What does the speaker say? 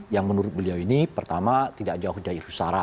yang menurut beliau ini pertama tidak jauh dari husara